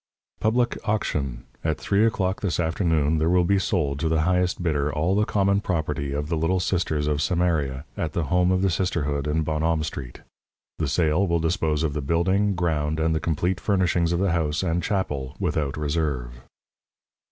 Public Auction. At three o'clock this afternoon there will be sold to the highest bidder all the common property of the Little Sisters of Samaria, at the home of the Sisterhood, in Bonhomme Street. The sale will dispose of the building, ground, and the complete furnishings of the house and chapel, without reserve.